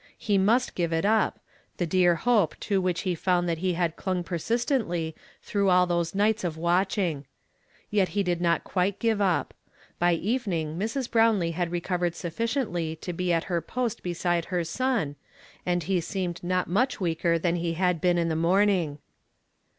He must give it up, llu? dear hope to which he found that he had clung persistently through all those nights of watching. Yet he did not quite give up. By evening Mrs. Brownlee had recovered sul'liciently to be at her post beside her son, and ho seemed not nuich weaker than he had been in the morning.